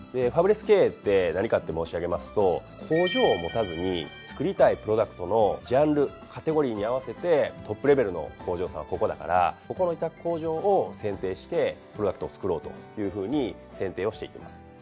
ファブレス経営って何かって申し上げますと工場を持たずに作りたいプロダクトのジャンルカテゴリーに合わせてトップレベルの工場さんはここだからここの委託工場を選定してプロダクトを作ろうというふうに選定をしていきます。